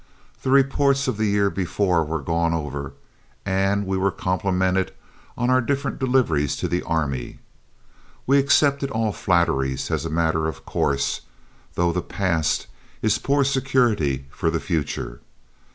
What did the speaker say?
The reports of the year before were gone over, and we were complimented on our different deliveries to the Army. We accepted all flatteries as a matter of course, though the past is poor security for the future.